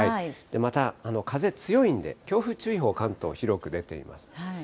また、風強いんで、強風注意報、関東広く出ています。